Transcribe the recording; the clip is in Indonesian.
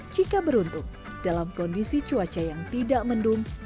jika beruntung dalam kondisi cuaca yang tidak mendung